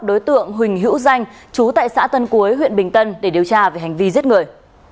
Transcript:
đối tượng huỳnh hữu danh chú tại xã tân cuối huyện bình tân để điều tra về hành vi giết người